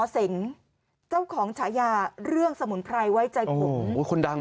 เหศงจ้าวของฉะยาเรื่องสมุนไพรไว้ใจขุมโอ้คุณดาง